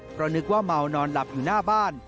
เพราะนึกว่าเมานอนหลับอยู่หน้าบ้าน